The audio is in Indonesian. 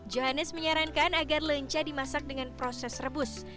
johannes menyarankan agar lenca dimasak dengan proses rebus